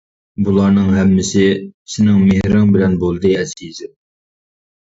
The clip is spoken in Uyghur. بۇلارنىڭ ھەممىسى سېنىڭ مېھرىڭ بىلەن بولدى ئەزىزىم.